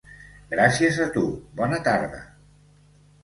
Gràcies a tu, bona tarda.